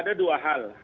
ada dua hal